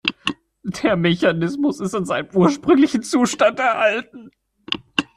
Der Mechanismus ist in seinem ursprünglichen Zustand erhalten.